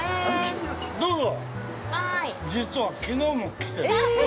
どうぞ！